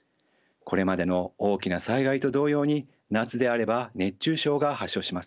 これまでの大きな災害と同様に夏であれば熱中症が発症します。